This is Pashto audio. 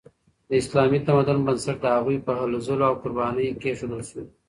د اسلامي تمدن بنسټ د هغوی په هلو ځلو او قربانیو کیښودل شو.